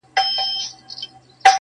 ككرۍ چي يې وهلې د بتانو،